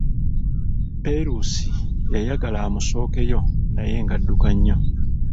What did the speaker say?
Perusi yayagala amusookeyo naye nga adduka nnyo.